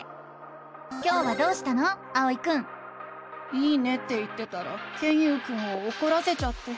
「いいね」って言ってたらケンユウくんをおこらせちゃって。